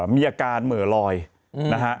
มีอาการเหม่อลอยนะฮะ